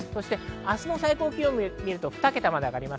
明日の最高気温を見ると２桁まで上がります。